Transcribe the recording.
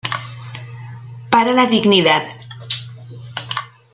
Para la dignidad.